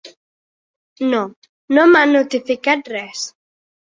No, no m’han notificat res.